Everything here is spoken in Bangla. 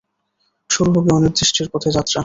শুরু হবে অনির্দিষ্টের পথে যাত্রা।